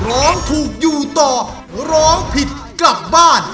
ร้องถูกอยู่ต่อร้องผิดกลับบ้าน